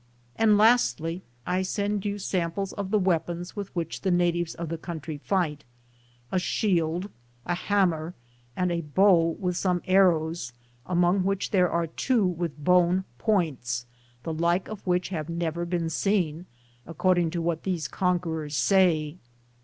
And, lastly, I send you samples of the weap ons with which the natives of this country fight, a shield, a hammer, and a bow with some arrows, among which there are two with bone points, the like of which have never been seen, according to what these conquerors say.